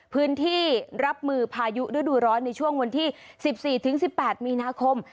พื้นที่รับมือพายุด้วยดูร้อนในช่วงวันที่สิบสี่ถึงสิบแปดมีนาคม